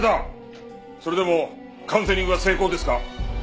それでもカウンセリングは成功ですか？